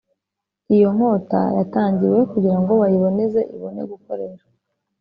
Iyo nkota yatangiwe kugira ngo bayiboneze ibone gukoreshwa